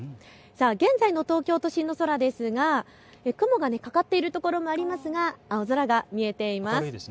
現在の東京都心の空ですが雲がかかっているところもありますが青空が見えています。